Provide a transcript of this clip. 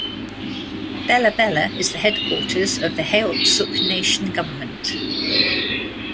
Bella Bella is the headquarters of the Heiltsuk Nation government.